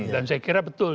dan saya kira betul